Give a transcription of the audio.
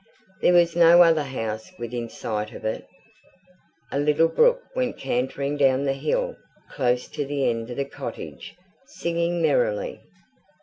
There was no other house within sight of it. A little brook went cantering down the hill close to the end of the cottage, singing merrily.